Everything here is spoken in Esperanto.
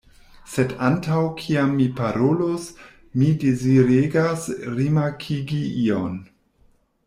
Sed antaŭ kiam mi parolos, mi deziregas rimarkigi ion.